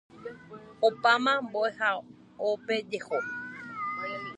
Opáma mbo'ehaópe jeho.